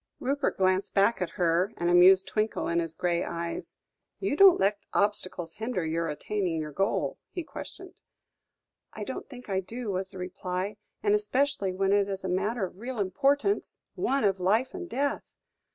Rupert glanced back at her, an amused twinkle in his grey eyes. "You don't let obstacles hinder your attaining your goal?" he questioned. "I don't think I do," was the reply; "and especially when it is a matter of real importance one of life and death."